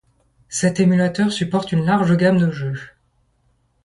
Cet émulateur supporte une large gamme de jeux.